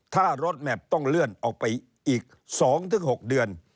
ถ้ารถแมพต้องเลื่อนออกไปอีก๒๖เดือน